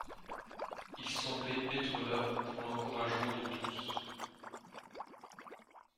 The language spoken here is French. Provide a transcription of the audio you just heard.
Il semblait être là pour l'encouragement de tous.